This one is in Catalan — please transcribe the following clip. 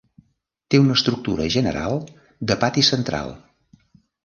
Té una estructura general de pati central.